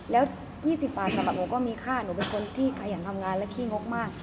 แล้ว๒๐บาทก็มีค่าหนูเป็นคนที่กายังทำงานและขี้งกมาก